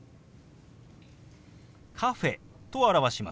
「カフェ」と表します。